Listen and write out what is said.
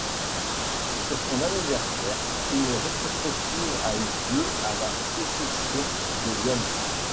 Sur son anniversaire une rétrospective a eu lieu à la Sécession de Vienne.